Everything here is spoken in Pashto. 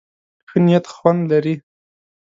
ښه نيت خوند لري.